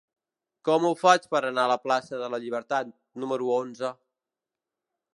Com ho faig per anar a la plaça de la Llibertat número onze?